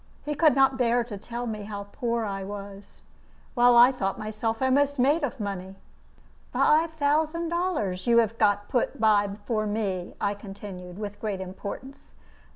He could not bear to tell me how poor I was, while I thought myself almost made of money. "Five thousand dollars you have got put by for me," I continued, with great importance.